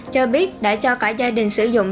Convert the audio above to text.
cho biết đã cho cả gia đình sử dụng